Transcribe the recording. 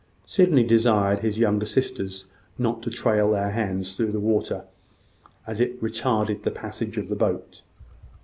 Sydney desired his younger sisters not to trail their hands through the water, as it retarded the passage of the boat.